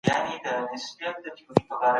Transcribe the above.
باطل په هیڅ وار نه بریالی کېدی.